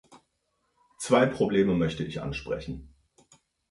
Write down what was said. Zwei Probleme möchte ich ansprechen.